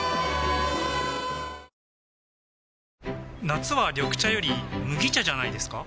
夏は緑茶より麦茶じゃないですか？